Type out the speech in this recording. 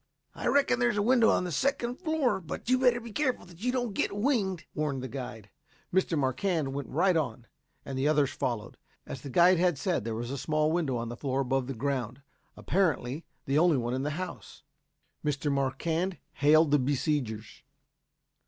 "I reckon there's a window on the second floor, but you'd better be careful that you don't get winged," warned the guide. Mr. Marquand went right on, and the others followed. As the guide had said there was a small window on the floor above the ground, apparently the only one in the house. Mr. Marquand hailed the besiegers.